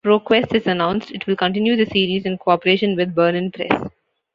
ProQuest has announced it will continue the series, in co-operation with Bernan Press.